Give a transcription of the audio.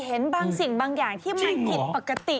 เห็นบางสิ่งบางอย่างที่มันผิดปกติ